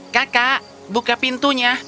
kakak buka pintunya